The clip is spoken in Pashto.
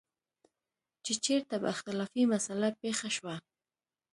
چې چېرته به اختلافي مسله پېښه شوه.